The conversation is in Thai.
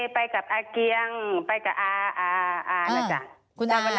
ไปกับอาเกียงไปกับอานะจ๊ะ